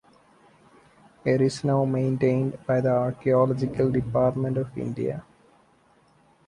It is now maintained by the Archaeological department of India.